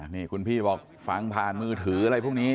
นี่คุณพี่บอกฟังผ่านมือถืออะไรพวกนี้